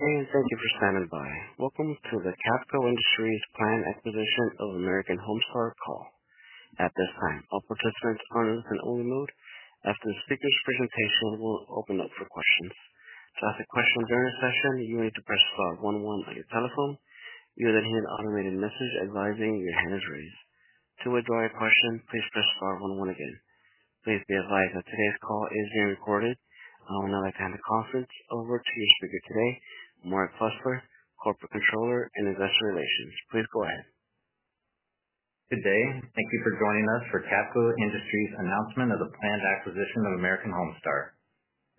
Hey and thank you for standing by. Welcome to the Cavco Industries Planned Exposition of American HomeStar call. At this time, all participants are in listen-only mode. After the speaker's presentation, we will open up for questions. To ask a question during the session, you need to press star 1 1 on your telephone. You will then hear an automated message advising your hand is raised. To withdraw your question, please press star 1 1 again. Please be advised that today's call is being recorded. I would now like to hand the conference over to your speaker today, Mark Fusler, Corporate Controller and Investor Relations. Please go ahead. Good day. Thank you for joining us for Cavco Industries announcement of the planned acquisition of American HomeStar.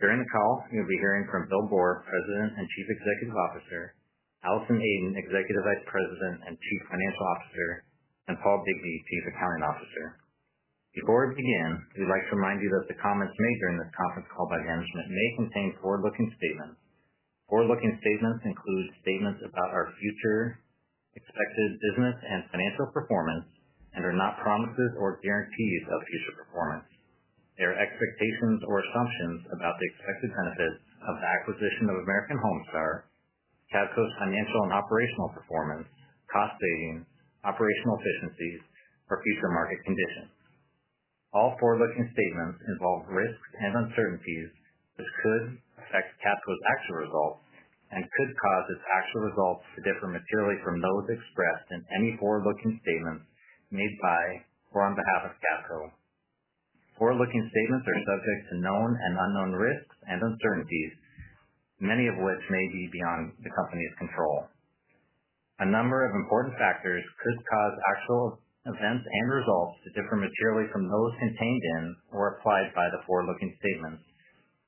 During the call you'll be hearing from Bill Boor, President and Chief Executive Officer, Allison Aden, Executive Vice President and Chief Financial Officer, and Paul Bigbee, Chief Accounting Officer. Before we begin, we'd like to remind you that the comments made during this conference call by management may contain forward looking statements. Forward looking statements include statements about our future expected business and financial performance and are not promises or guarantees of future performance, their expectations or assumptions about the expected benefits of the acquisition of American HomeStar, Cavco's financial and operational performance, cost savings, operational efficiencies or future market conditions. All forward looking statements involve risks and uncertainties which could affect Cavco's actual results and could cause its actual results to differ materially from those expressed in any forward looking statements made by or on behalf of Cavco. Forward looking statements are subject to known and unknown risks and uncertainties, many of which may be beyond the Company's control. A number of important factors could cause actual events and results to differ materially from those contained in or implied by the forward looking statements,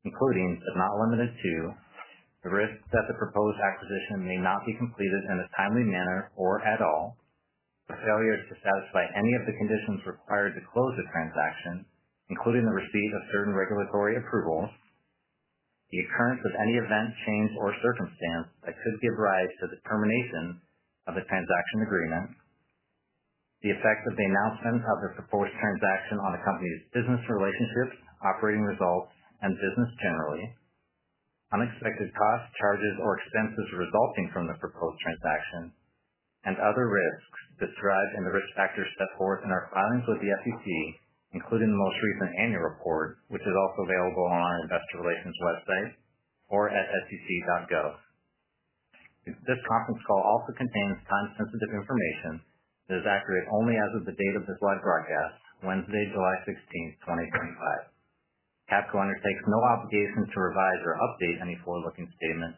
including, but not limited to, the risk that the proposed acquisition may not be completed in a timely manner or at all, the failures to satisfy any of the conditions required to close the transaction, including the receipt of certain regulatory approvals, the occurrence of any event, change or circumstance that could give rise to the termination of a transaction agreement, the effect of the announcement of the proposed transaction on a company's business relationships, operating results and business generally, unexpected costs, charges or expenses resulting from the proposed transaction, and other risks described in the risk factors set forth in our filings with the SEC, including the most recent annual report, which is also available on our Investor Relations website or at sec.gov. This conference call also contains time sensitive information that is accurate only as of the date of this live broadcast, Wednesday, July 16, 2025. Cavco undertakes no obligation to revise or update any forward looking statement,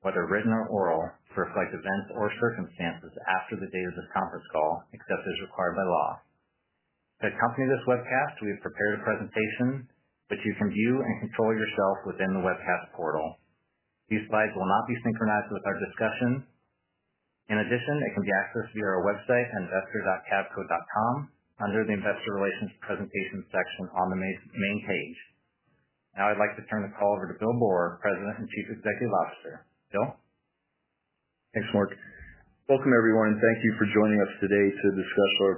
whether written or oral, to reflect events or circumstances after the date of this conference call, except as required by law. To accompany this webcast, we have prepared a presentation which you can view and control yourself within the webcast portal. These slides will not be synchronized with our discussion. In addition, it can be accessed via our website investor.cavco.com under the Investor Relations Presentation section on the main page. Now I'd like to turn the call over to Bill Boor, President and Chief. Executive Officer Bill, thanks Mark. Welcome everyone and thank you for joining us today to discuss our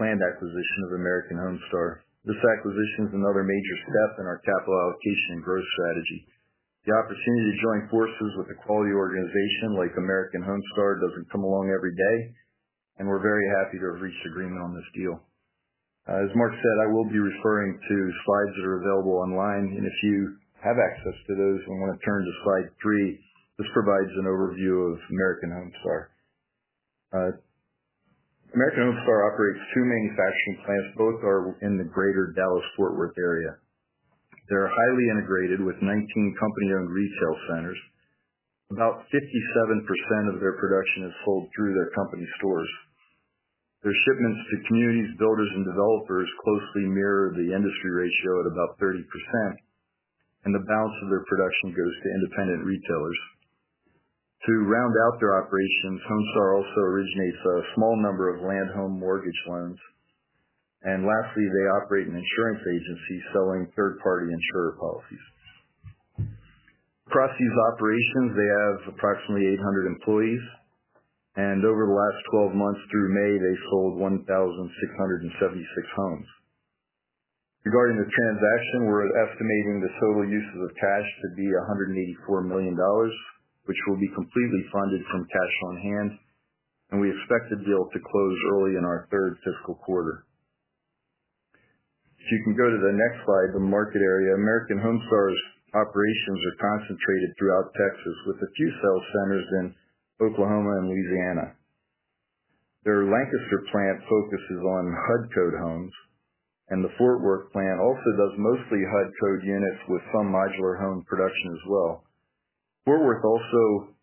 planned acquisition of American HomeStar. This acquisition is another major step in our capital allocation and growth strategy. The opportunity to join forces with a quality organization like American HomeStar doesn't come along every day and we're very happy to have reached agreement on this deal. As Mark said, I will be referring to slides that are available online and if you have access to those and want to turn to slide 3, this provides an overview of American HomeStar. American HomeStar operates two manufacturing plants. Both are in the Greater Dallas-Fort Worth area. They're highly integrated with 19 company-owned retail centers. About 57% of their production is sold through their company stores. Their shipments to communities, builders, and developers closely mirror the industry ratio at about 30% and the balance of their production goes to independent retailers to round out their operations. American HomeStar also originates a small number of land home mortgage loans and lastly they operate an insurance agency selling third-party insurer policies. Across these operations they have approximately 800 employees and over the last 12 months through May they sold 1,676 homes. Regarding the transaction, we're estimating the total uses of cash to be $184 million, which will be completely funded from cash on hand and we expect the deal to close early in our third fiscal quarter. If you can go to the next slide, the market area, American HomeStar's operations are concentrated throughout Texas with a few sales centers in Oklahoma and Louisiana. Their Lancaster plant focuses on HUD code homes and the Fort Worth plant also does mostly HUD code units with some modular home production as well. Fort Worth also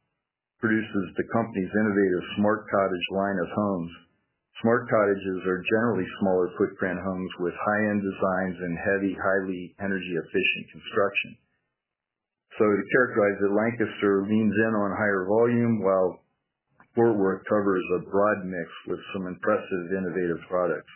produces the company's innovative Smart Cottage line of homes. Smart Cottages are generally smaller footprint homes with high-end designs and heavy, highly energy efficient construction. To characterize that, Lancaster leans in on higher volume while Fort Worth covers a broad mix with some impressive innovative products.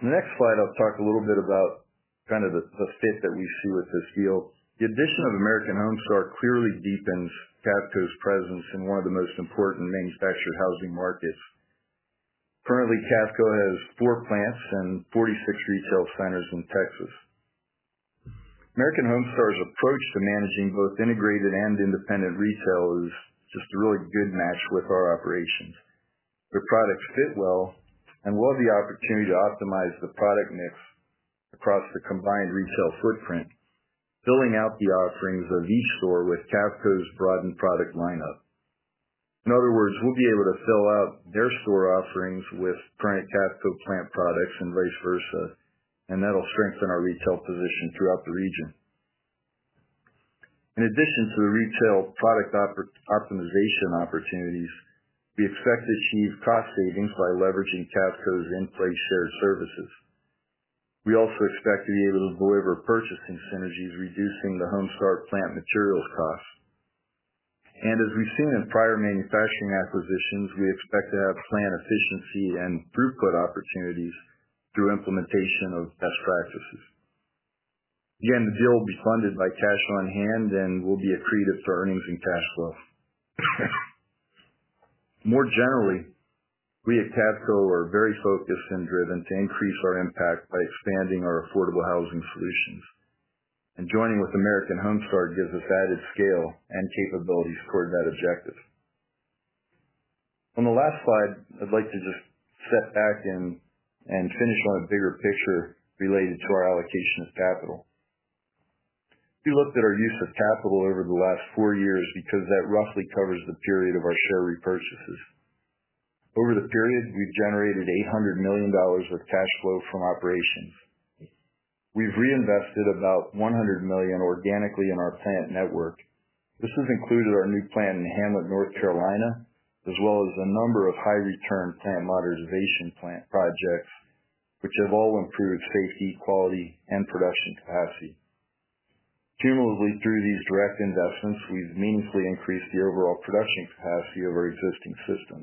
The next slide, I'll talk a little bit about kind of the fit that we see with this deal. The addition of American HomeStar clearly deepens Cavco's presence in one of the most important manufactured housing markets. Currently, Cavco has four plants and 46 retail centers in Texas. American HomeStar's approach to managing both integrated and independent retail is just a really good match with our operations. Their products fit well, and we'll have the opportunity to optimize the product mix across the combined retail footprint, filling out the offerings of each store with Cavco's broadened product lineup. In other words, we'll be able to fill out their store offerings with Cavco plant products and vice versa, and that'll strengthen our retail position throughout the region. In addition to the retail product optimization opportunities, we expect to achieve cost savings by leveraging Cavco's in-place shared services. We also expect to be able to deliver purchasing synergies, reducing the HomeStar plant materials costs. As we've seen in prior manufacturing acquisitions, we expect to have plant efficiency and throughput opportunities through implementation of best practices. The deal will be funded by cash on hand and will be accretive to earnings and cash flow. More generally, we at Cavco are very focused and driven to increase our impact by expanding our affordable housing solutions. Joining with American HomeStar gives us added scale and capabilities toward that objective. On the last slide, I'd like to just step back and finish on a bigger picture related to our allocation of capital. We looked at our use of capital over the last four years because that roughly covers the period of our share repurchases. Over the period, we've generated $800 million of cash flow from operations. We've reinvested about $100 million organically in our plant network. This has included our new plant in Hamlet, North Carolina, as well as a number of high-return plant modernization projects, which have all improved safety, quality, and production capacity. Cumulatively, through these direct investments, we've meaningfully increased the overall production capacity of our existing system.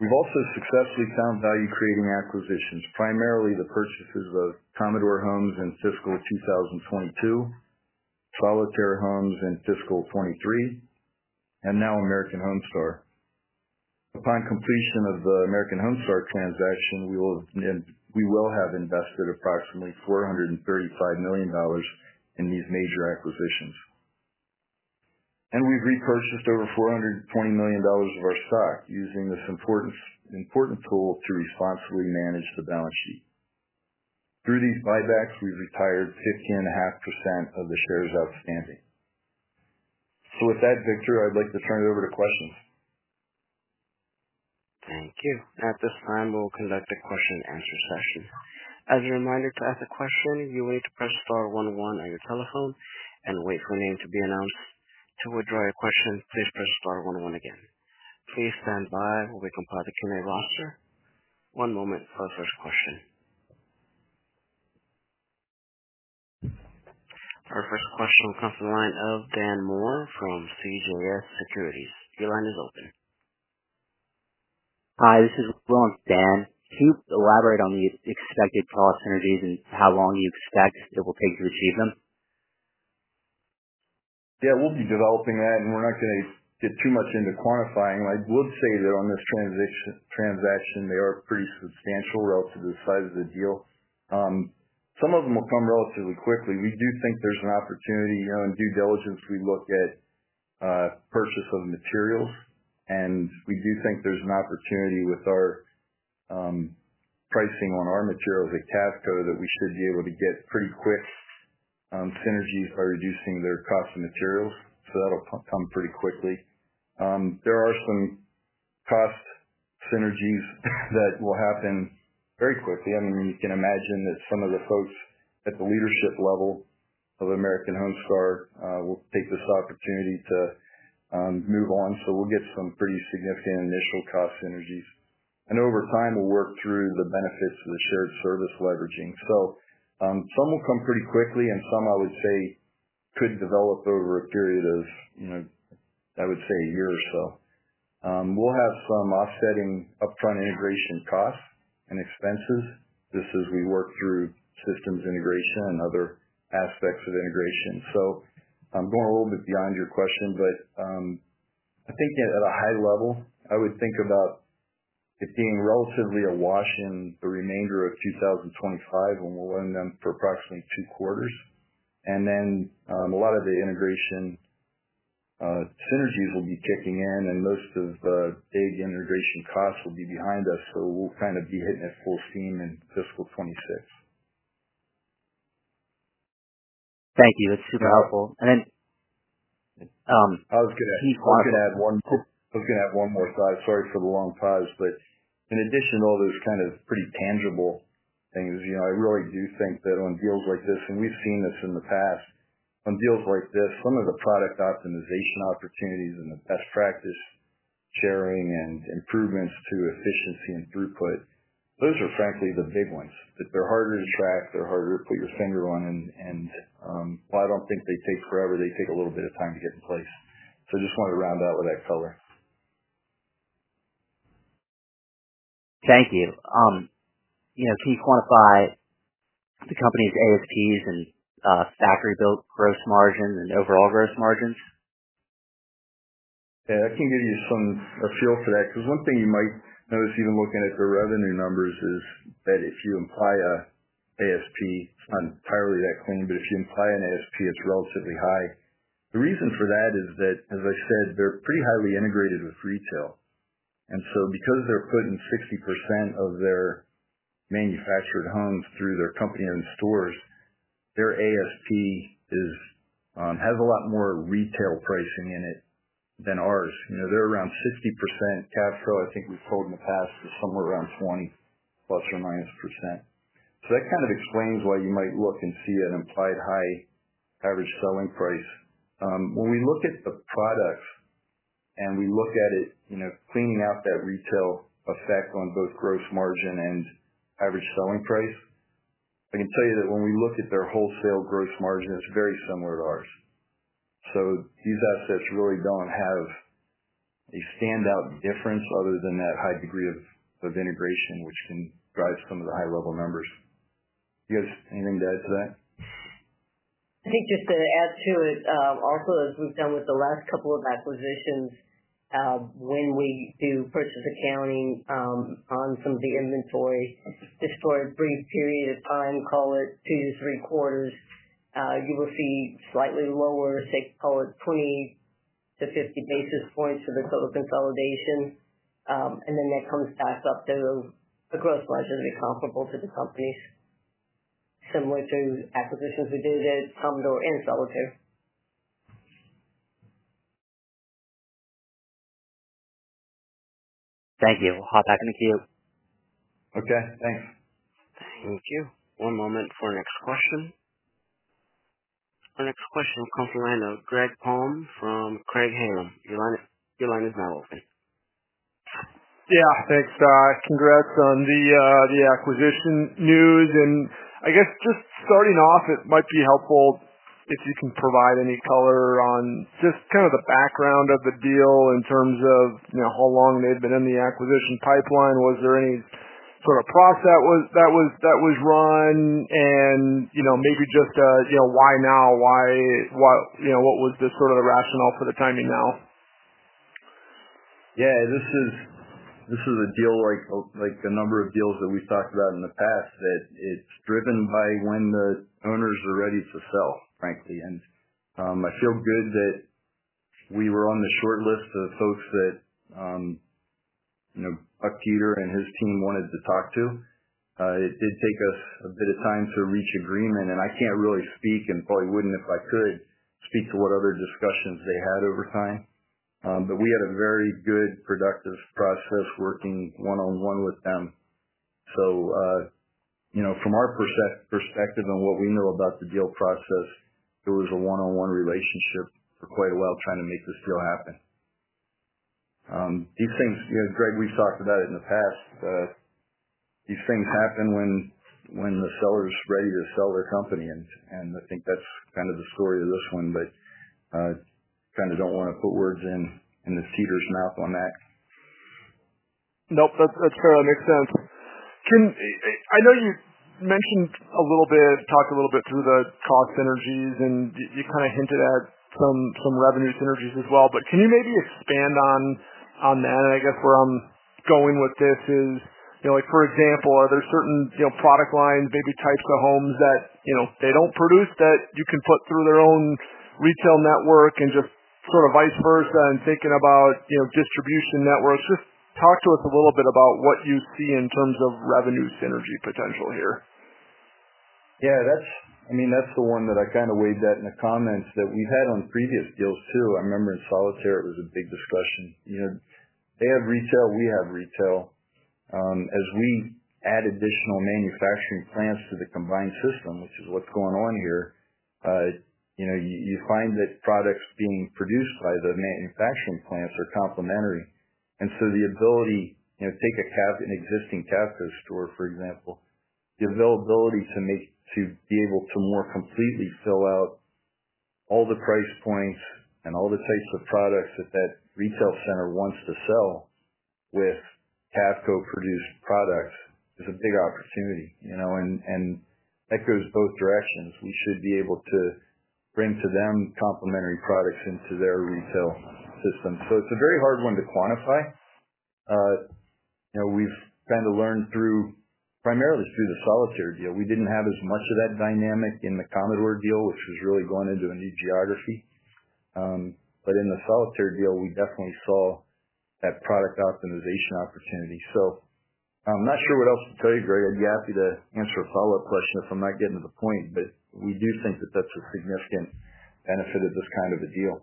We've also successfully found value-creating acquisitions, primarily the purchases of Commodore Homes in fiscal 2022, Solitaire Homes in fiscal 2023, and now American HomeStar. Upon completion of the American HomeStar transaction, we will have invested approximately $435 million in these major acquisitions, and we've repurchased over $420 million of our stock using this important tool to responsibly manage the balance sheet. Through these buybacks, we've retired 15.5% of the shares outstanding. With that, Victor, I'd like to turn it over to questions. Thank you. At this time, we'll conduct a question and answer session. As a reminder, to ask a question, you will need to press *11 on your telephone and wait for a name to be announced. To withdraw your question, please press *11 again. Please stand by while we comply. The Q and A roster. One moment for the first question. Our first question will come from the line of Daniel Moore from CJS Securities. Your line is open. Hi, this is Will and Dan. Can you elaborate on the expected cost. Synergies and how long you expect it. We'll be developing that and we're not going to get too much into quantifying. I would say that on this transaction they are pretty substantial relative to the size of the deal. Some of them will come relatively quickly. We do think there's an opportunity in due diligence. We look at purchase of materials and we do think there's an opportunity with our pricing on our materials at Cavco, that we should be able to get pretty quick synergies by reducing their cost of materials. That'll come pretty quickly. There are some cost synergies that will happen very quickly. I mean, you can imagine that some of the folks at the leadership level of American HomeStar will take this opportunity to move on. We'll get some pretty significant initial cost synergies and over time we'll work through the benefits of the shared service leveraging. Some will come pretty quickly and some, I would say, could develop over a period of, I would say, a year or so. We'll have some offsetting upfront integration costs and expenses just as we work through systems integration and other aspects of integration. I'm going a little bit beyond your question, but I think at a high level, I would think about it being relatively awash in the remainder of 2025, and we'll end them for approximately two quarters. A lot of the integration synergies will be kicking in and most of the big integration costs will be behind us. We'll kind of be hitting it full steam in fiscal 2026. Thank you, that's super helpful. And. I was going to add one more thought. Sorry for the long pause, but in addition to all those kind of pretty tangible, I really do think that on deals like this, and we've seen this in the past on deals like this, some of the product optimization opportunities and the best practice sharing and improvements to efficiency and throughput, those are frankly the big ones. They're harder to track, they're harder to put your finger on. I don't think they take forever. They take a little bit of time to get in place, just wanted to round out with that color. Thank you. Can you quantify the company's ASPs? Factory-built gross margin and overall gross margins? I can give you a feel for that. One thing you might notice even looking at the revenue numbers is that if you imply an ASP, it's not entirely that clean. If you imply an ASP, it's relatively high. The reason for that is that, as I said, they're pretty highly integrated with retail. Because they're putting 60% of their manufactured homes through their company-owned stores, their ASP has a lot more retail pricing in it than ours. They're around 60%. Cash flow, I think we've told in the past, is somewhere around 20% plus or minus. That kind of explains why you might look and see an implied high average selling price. When we look at the products and we look at it, cleaning out that retail effect on both gross margin and average selling price, I can tell you that when we look at their wholesale gross margin, it's very similar to ours. These assets really don't have a standout difference other than that high degree of integration, which can drive some of the high-level numbers. You have anything to add to that? I think just to add to it also, as we've done with the last couple of acquisitions, when we do purchase accounting on some of the inventory, just for a brief period of time, call it two to three quarters, you will see slightly lower, call it 20 to 50 basis points for the total consolidation, and then that comes back up to a. Gross margin to be comparable to the. Companies, similar to acquisitions we did at Commodore and Solitaire. Thank you. Hop back in the queue. Okay, thanks. Thank you. One moment for our next question. Our next question will come from the line of Greg Palm from Craig-Hallum Capital Group. Your line is now open. Thanks. Congrats on the acquisition news. It might be helpful if you can provide any color on the background of the deal in terms of how long they've been in the acquisition pipeline. Was there any sort of process that was run and maybe just why now? Why? What was the sort of rationale for the timing now? Yeah, this is a deal like a number of deals that we've talked about in the past, that it's driven by when the owners are ready to sell, frankly. I feel good that we were on the short list of folks that Buck Peter and his team wanted to talk to. It did take us a bit of time to reach agreement, and I can't really speak, and probably wouldn't if I could, to what other discussions they had over time. We had a very good, productive process working one on one with them. From our perspective and what we know about the deal process, it was a one on one relationship for quite a while trying to make this deal happen. These things, Greg, we've talked about it in the past, these things happen when the seller's ready to sell their company. I think that's kind of the story of this one. I kind of don't want to put words in the Peter's mouth on that. Nope, that's fair. That makes sense. I know you mentioned a little bit, talked a little bit through the cost synergies and you kind of hinted at some revenue synergies as well. Can you maybe expand on that? I guess where I'm going with this is, for example, are there certain product lines, maybe types of homes that, you know, they don't produce that you can put through their own retail network and just sort of vice versa and thinking about, you know, distribution networks. Just talk to us a little bit about what you see in terms of. Revenue synergy potential here. Yeah, that's the one that I kind of waved at in the comments that we've had on previous deals too. I remember in Solitaire it was a big discussion. You know, they have retail, we have retail as we add additional manufacturing plants to the combined system, which is what's going on here. You find that products being produced by the manufacturing plants are complementary. The ability, you know, take a Cavco store, for example, the availability to be able to more completely fill out all the price points and all the types of products that that retail center wants to sell with Cavco produced products is a big opportunity, and that goes both directions. We should be able to bring to them complementary products into their retail system. It's a very hard one to quantify. We've kind of learned, primarily through the Solitaire deal. We didn't have as much of that dynamic in the Commodore deal, which was really going into a new geography. In the Solitaire deal we definitely saw that product optimization opportunity. I'm not sure what else to tell you, Greg. I'd be happy to answer a follow up question if I'm not getting to the point. We do think that that's a significant benefit of this kind of a deal.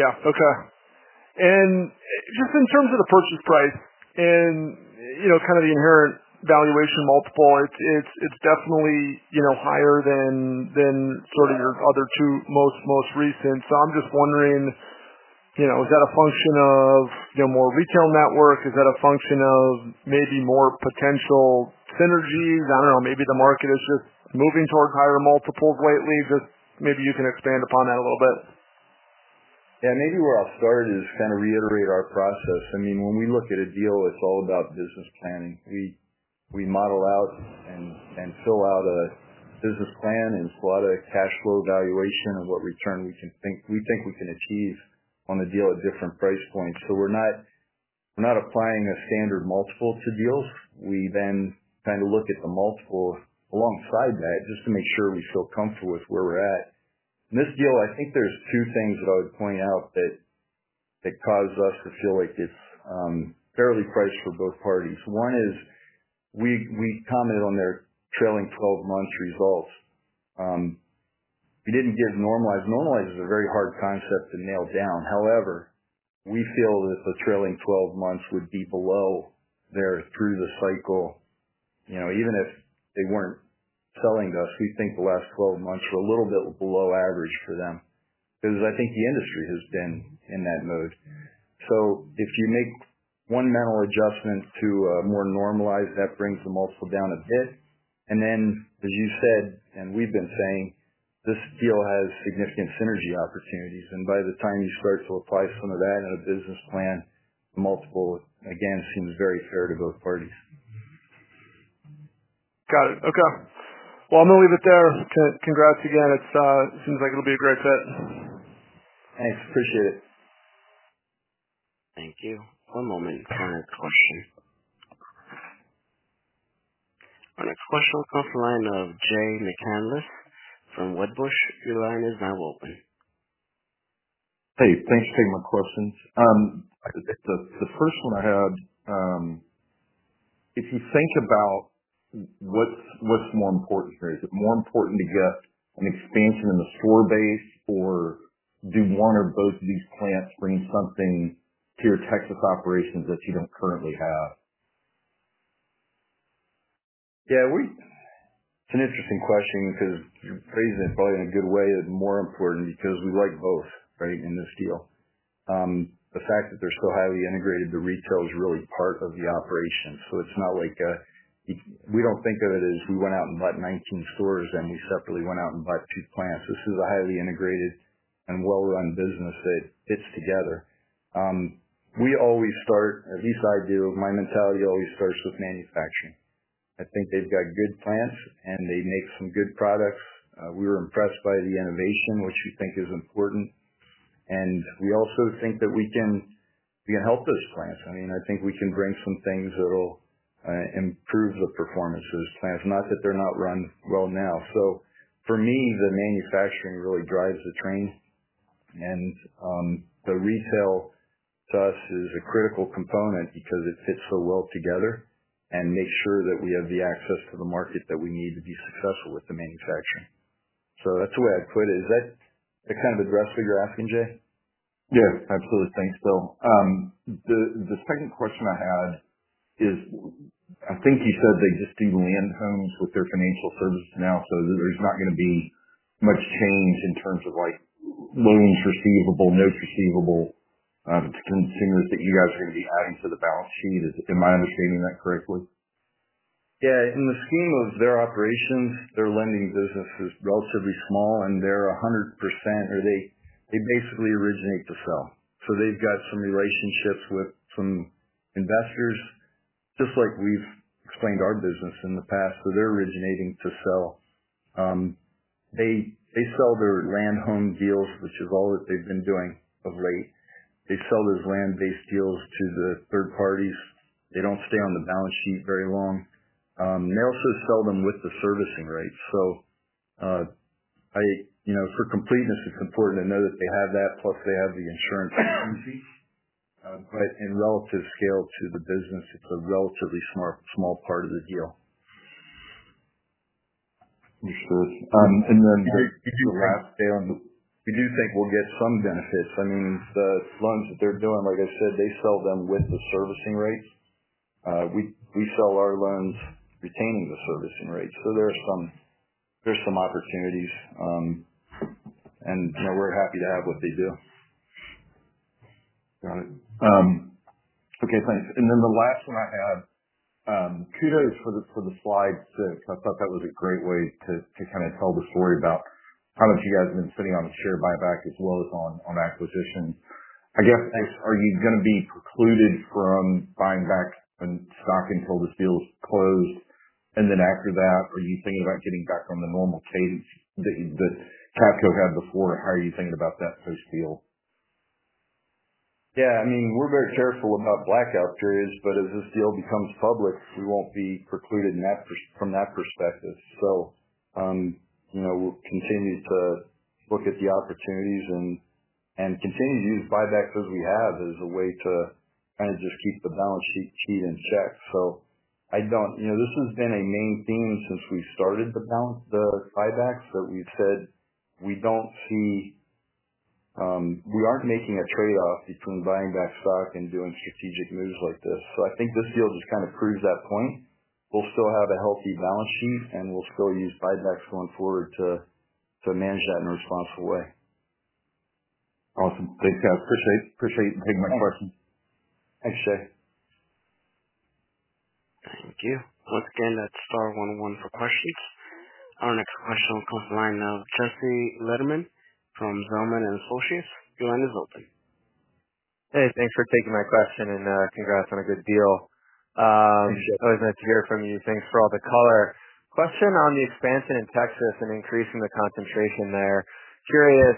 Yeah. Okay. In terms of the purchase price and kind of the inherent valuation multiple, it's definitely higher than sort of your other two most recent. I'm just wondering, is that a function of more retail network? Is that a function of maybe more potential synergies? I don't know, maybe the market is just moving towards higher multiples lately. Maybe you can expand upon that a little bit. Yeah, maybe. Where I'll start is kind of reiterate our process. I mean, when we look at a deal, it's all about business planning. We model out and fill out a business plan and plot a cash flow valuation of what return we think we can achieve on a deal at different price points. We're not applying a standard multiple to deals. We then kind of look at the multiple alongside that just to make sure we feel comfortable with where we're at in this deal. I think there's two things that I would point out that cause us to feel like it's fairly priced for both parties. One is we comment on their trailing twelve month results. We didn't give normalized. Normalized is a very hard concept to nail down. However, we feel that the trailing 12 months would be below there through the cycle even if they weren't selling to us. We think the last 12 months were a little bit below average for them because I think the industry has been in that mood. If you make one mental adjustment to more normalized, that brings the multiple down a bit. As you said, and we've been saying, this deal has significant synergy opportunities and by the time you start to apply some of that in a business plan, multiple again seems very fair to both parties. Got it. Okay. I'm going to leave it there. Congrats again. It seems like it'll be a great fit. Thanks. Appreciate it. Thank you for a moment for questions. Next question comes Jay McCanless from Wedbush Securities. Your line is now open. Hey, thanks for taking my questions. The first one I had. If you. Think about what's more important here, is it more important to get an expansion in the store base or do one or both of these plants bring something to your Texas operations that you don't currently have? It's an interesting question because you're phrasing it probably in a good way. More important because we like both right in this deal, the fact that they're so highly integrated, the retail is really part of the operation. It's not like we don't think of it as we went out and bought 19 stores and we separately went out and bought two plants. This is a highly integrated and well-run business that fits together. We always start, at least I do. My mentality always starts with manufacturing. I think they've got good plants and they make some good products. We were impressed by the innovation which we think is important. We also think that we can help those plants. I think we can bring some things that will improve the performance of those plants, not that they're not running. For me, the manufacturing really drives the train and the retail to us is a critical component because it fits so well together and makes sure that we have the access to the market that we need to be successful with the manufacturing. That's the way I put it. Is that kind of address what you're asking, Jay? Yeah, absolutely. Thanks, Bill. The second question I had is I think you said they just do land homes with their financial services now. There's not going to be much change in terms of like loans receivable, notes receivable to consumers that you guys are going to be adding to the balance sheet. Am I understanding that correctly? Yeah. In the scheme of their operations, their lending business is relatively small and they're 100% or they basically originate to sell. They've got some relationships with some investors, just like we've explained our business in the past. They're originating to sell. They sell their land home deals, which is all that they've been doing of late. They sell those land-based deals to the third parties. They don't stay on the balance sheet very long. They also sell them with the servicing rate. For completeness, it's important to know that they have that plus they have the insurance agency, but in relative scale to the business, it's a relatively small, small part of the deal. We do think we'll get some benefits. I mean the loans that they're doing, like I said, they sell them with the servicing rates. We sell our loans retaining the servicing rate. There are some opportunities and we're happy to have what they do. Got it. Okay, thanks. The last one, I have kudos for the slide 6. I thought that was a great way to kind of tell the story about how much you guys have been sitting on share buyback as well as on acquisitions, I guess. Are you going to be precluded from buying back any stock until this deal is closed? After that, are you thinking about getting back on the normal cadence that Cavco had before? How are you thinking about that post deal? Yeah, I mean, we're very careful about blackout periods, but as this deal becomes public, we won't be precluded from that perspective. We'll continue to look at the opportunities and continue to use buybacks as we have as a way to kind of just keep the balance sheet in check. This has been a main theme since we started the buybacks that we've said we don't see. We aren't making a trade-off between buying back stock and doing strategic moves like this. I think this deal just kind of proves that point. We'll still have a healthy balance sheet and we'll still use buybacks going forward to manage that in a responsible way. Awesome. Thanks guys. Appreciate you taking my questions. Thanks, Jay. Thank you once again. That's Star 1 0 1 for questions. Our next question will come from the line of Jesse Lederman from Zelman & Associates. Your line is open. Hey, thanks for taking my question and congrats on a good deal. Always nice to hear from you. Thanks for all the color. Question on the expansion in Texas and increasing the concentration there, curious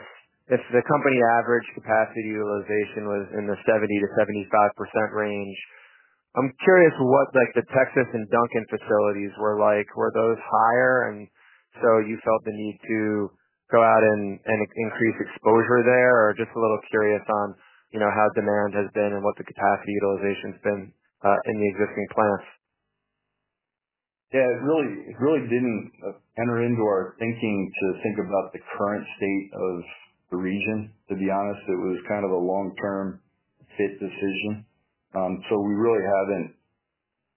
if the company average capacity utilization was in the 70 to 75% range. I'm curious what the Texas and Duncan facilities were like, were those higher and you felt the need to go out and increase exposure there, or just a little curious on how demand has been and what the capacity utilization has been in the existing plants. Yeah, it really didn't enter into our thinking to think about the current state of the region. To be honest, it was kind of a long-term fit decision. We really haven't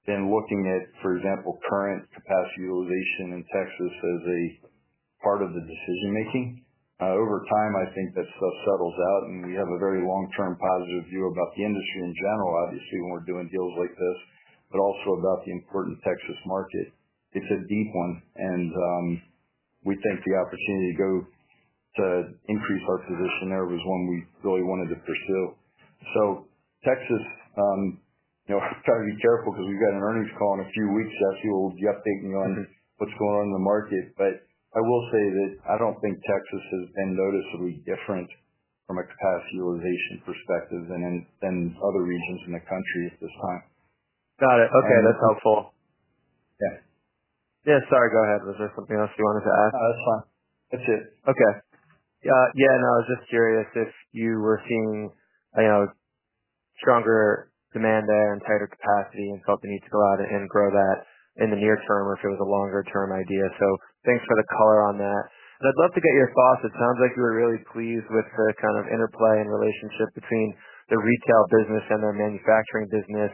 been looking at, for example, current capacity utilization in Texas as a part of the decision-making. Over time, I think that stuff settles out, and we have a very long-term positive view about the industry in general, obviously when we're doing deals like this, but also about the important Texas market. It's a deep one, and we think the opportunity to increase our position there was one we really wanted to pursue. Texas, you know, try to be careful because we've got an earnings call in a few weeks. Jesse will be updating you on what's going on in the market. I will say that I don't think Texas has been noticeably different from a capacity utilization perspective than other regions in the country at this time. Got it. Okay, that's helpful. Yeah, sorry, go ahead. Was there something else you wanted to add? That's fine. That's it. Okay. I was just curious if you were seeing stronger demand there and tighter. Capacity and felt the need to go. Thanks for the color on that and I'd love to get your thoughts. It sounds like you were really pleased with the kind of interplay and relationship between the retail business and their manufacturing business,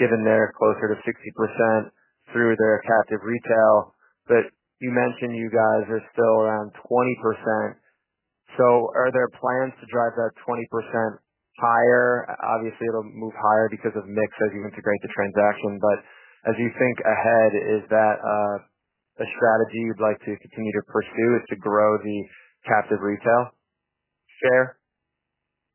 given they're closer to 60% through their captive retail. You mentioned you guys are still around 20%. Are there plans to drive that 20% higher? Obviously it'll move higher because of mix as you integrate the transaction. As you think ahead, is that a strategy you'd like to continue to pursue, to grow the captive retail share?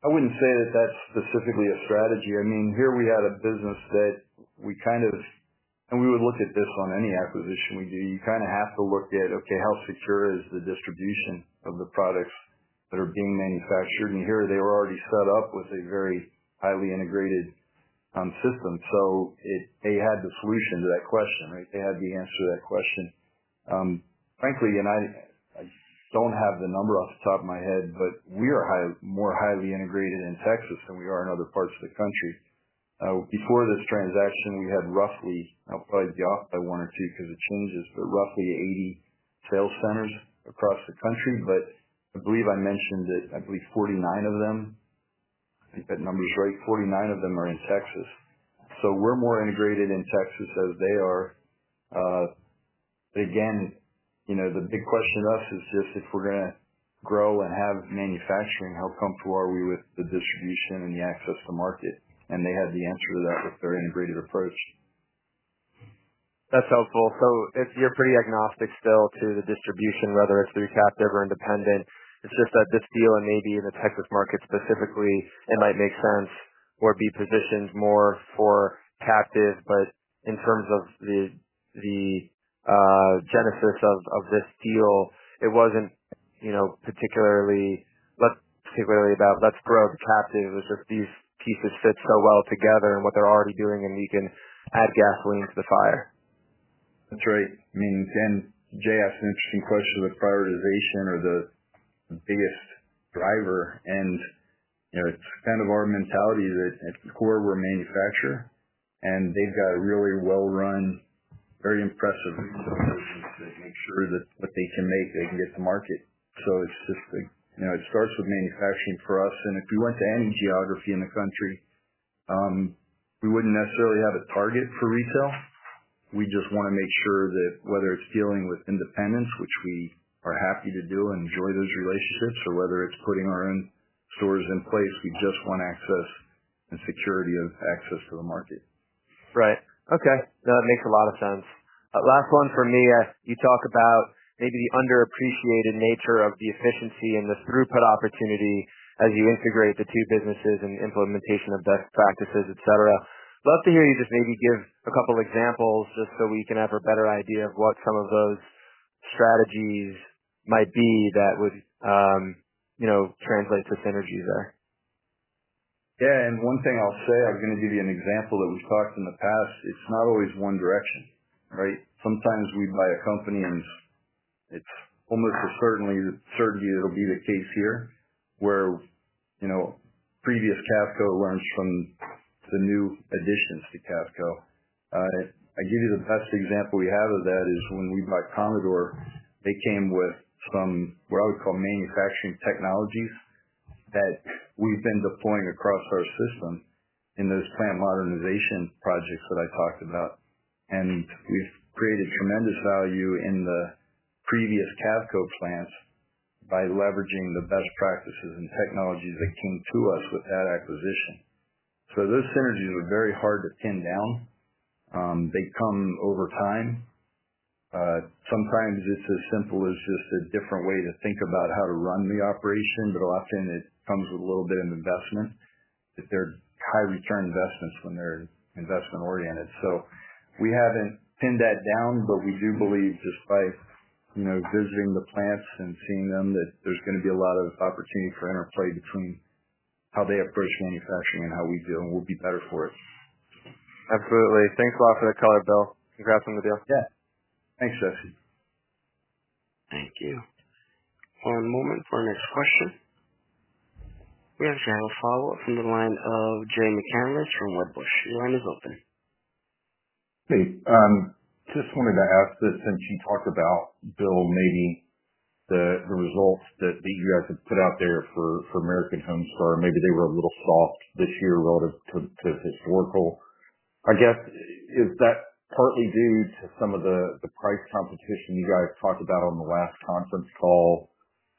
I wouldn't say that that's specifically a strategy. Here we had a business that we kind of look at on any acquisition we do. You kind of have to look at, okay, how secure is the distribution of the products that are being manufactured? Here they were already set up with a very highly integrated system. They had the solution to that question, right? They had the answer to that question, frankly. I don't have the number off the top of my head, but we are more highly integrated in Texas than we are in other parts of the country. Before this transaction, we had roughly, I'll probably be off by 1 or 2 because it changes, but roughly 80 sales centers across the country. I believe I mentioned that 49 of them, I think that number is right, 49 of them are in Texas. We're more integrated in Texas as they are. The big question to us is just if we're going to grow and have manufacturing, how comfortable are we with the distribution and the access to market? They had the answer to that with their integrated approach. That's helpful. You're pretty agnostic still to the distribution, whether it's through captive or independent. It's just that this deal, and maybe in the Texas market specifically, it might make sense or be positioned more for captive. In terms of the genesis of this deal, it wasn't particularly about let's grow the captive. It was just these pieces fit so well together and what they're already doing. We can add gasoline to the fire. That's right. Jay asked an interesting question. The prioritization or the biggest driver? It's kind of our mentality that at the core we're a manufacturer, and they've got really well run, very impressive operations that make sure that what they can make, they can get to market. It starts with manufacturing for us, and if we went to any geography in the country, we wouldn't necessarily have a target for retail. We just want to make sure that whether it's dealing with independents, which we are happy to do and enjoy those relationships, or whether it's putting our own stores in place, we just want access and security of access to the market. Right. Okay. That makes a lot of sense. Last one for me, you talk about maybe the underappreciated nature of the efficiency and the throughput opportunity as you integrate the two businesses and implementation of best practices, et cetera. Love to hear you just maybe give a couple examples, just so we can have a better idea of what some of those strategies might be that would translate to synergies there. Yeah. One thing I'll say, I was going to give you an example that we talked in the past. It's not always one direction. Right. Sometimes we buy a company, and it's almost a certainty that will be the case here, where previous Cavco learns from the new additions to Cavco. I give you the best example we have of that, which is when we bought Commodore. They came with some, what I would call, manufacturing technologies that we've been deploying across our system in those plant modernization projects that I talked about. We've created tremendous value in the previous Cavco plants by leveraging the best practices and technologies that came to us with that acquisition. Those synergies are very hard to pin down. They come over time. Sometimes it's as simple as just a different way to think about how to run the operation. Often it comes with a little bit of investment. They're high return investments when they're investment oriented. We haven't pinned that down, but we do believe just by visiting the plants and seeing them that there's going to be a lot of opportunity for interplay between how they approach manufacturing and how we do, and we'll be better for it. Absolutely. Thanks a lot for the color, Bill. Congrats on the deal. Yeah, thanks, Jesse. Thank you. One moment for our next question. We actually have a follow-up from the line of Jay McCanless from Wedbush Securities. Your line is open. Hey, just wanted to ask that since you talked about Bill, maybe the results that you guys have put out there for American HomeStar, maybe they were a little soft this year, relative to historical, I guess. Is that partly due to some of the price competition you guys talked about on the last conference call?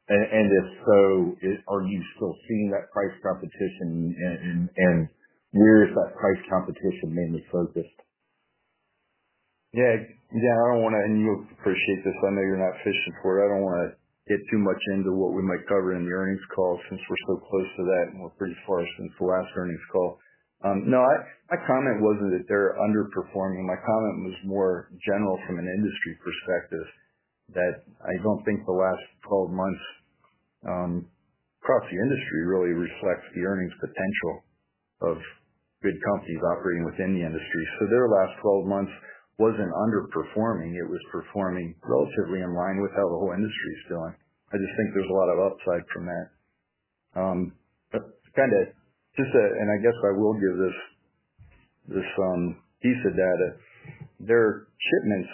If so, are you still seeing that price competition and where is that price competition mainly focused? I don't want to, and you'll appreciate this, I know you're not fishing for it. I don't want to get too much into what we might cover in the earnings call since we're so close to that and we're pretty far since the last earnings call. No, my comment wasn't that they're underperforming. My comment was more general from an industry perspective that I don't think the last 12 months across the industry really reflects the earnings potential of good companies operating within the industry. Their last 12 months wasn't underperforming. It was performing relatively in line with how the whole industry is doing. I just think there's a lot of upside from that. I guess I will give this piece of data: their shipments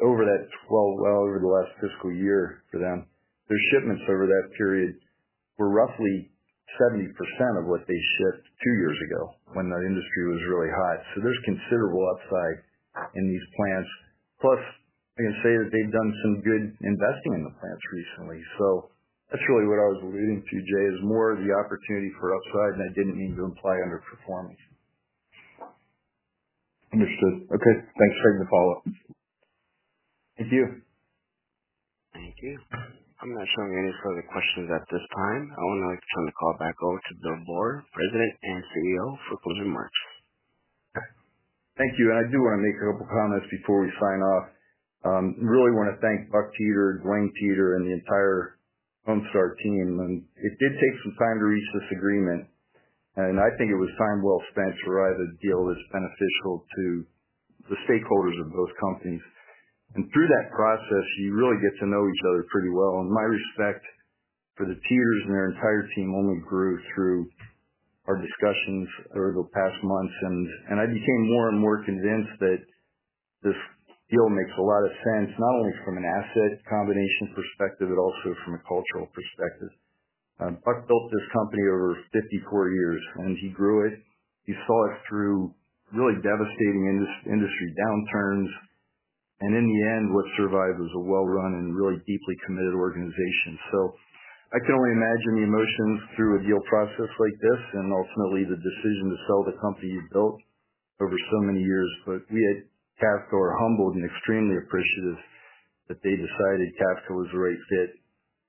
over the last fiscal year for them, their shipments over that period were roughly 70% of what they shipped two years ago when the industry was really hot. There's considerable upside in these plants. I can say that they've done some good investing in the plants recently. That's really what I was alluding to, Jay, is more the opportunity for upside. I didn't mean to imply underperformance. Understood. Okay, thanks for the follow-up. Thank you. Thank you. I'm not showing any further questions at this time. I would like to turn the call back over to William Boor, President and CEO, for closing remarks. Thank you. I do want to make a couple comments before we sign off. I really want to thank Buck Peter, Duane Peter, and the entire American HomeStar team. It did take some time to reach this agreement, and I think it was time well spent to write a deal that's beneficial to the stakeholders of those companies. Through that process, you really get to know each other pretty well. My respect for the Peters and their entire team only grew through our discussions over the past months. I became more and more convinced that this deal makes a lot of sense, not only from an asset combination perspective, but also from a cultural perspective. Buck built this company over 54 years and he grew it. You saw it through really devastating industry downturns. In the end, what survived was a well-run and really deeply committed organization. I can only imagine the emotions through a deal process like this and ultimately the decision to sell the company you built over so many years, but we at Cavco are humbled and extremely appreciative that they decided Cavco was the right fit.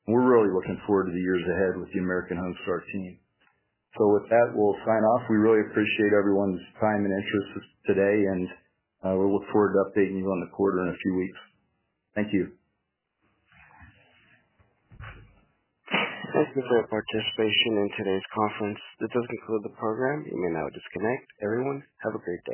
We're really looking forward to the years ahead with the American HomeStar team. With that, we'll sign off. We really appreciate everyone's time and interest today, and we look forward to updating you on the quarter in a few weeks. Thank you. Thank you for your participation in today's conference. This does conclude the program. You may now disconnect, everyone. Have a great day.